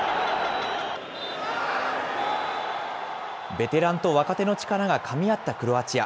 ベテランと若手の力がかみ合ったクロアチア。